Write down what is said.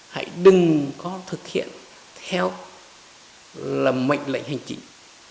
hãy đừng có thực hiện theo là mệnh lệnh hành chính